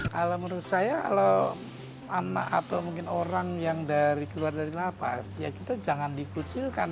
kalau menurut saya kalau anak atau mungkin orang yang keluar dari lapas ya kita jangan dikucilkan